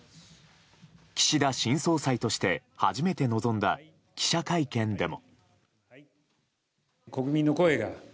岸田新総裁として初めて臨んだ記者会見でも。